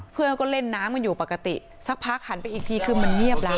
เพื่อนก็เล่นน้ำกันอยู่ปกติสักพักหันไปอีกทีคือมันเงียบแล้ว